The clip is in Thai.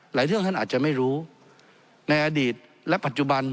เรื่องท่านอาจจะไม่รู้ในอดีตและปัจจุบัน